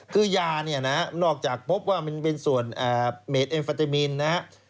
คือยานอกจากพบว่ามันเป็นส่วนเมธเอมเฟอร์เทมีน